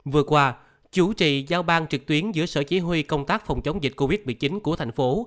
vừa qua chủ trì giao ban trực tuyến giữa sở chỉ huy công tác phòng chống dịch covid một mươi chín của thành phố